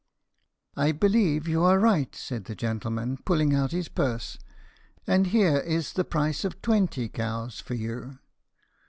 "I believe you are right," said the gentleman, pulling out his purse, "and here is the price of twenty cows for you."